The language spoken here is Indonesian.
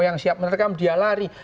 yang siap menerkam dia lari